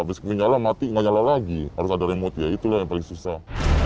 biasanya nyala mati gak nyala lagi harus ada remote ya itulah yang paling susah